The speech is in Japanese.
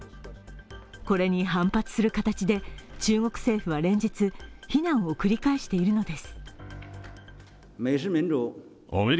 これに反発する形で中国政府は連日非難を繰り返しているのです。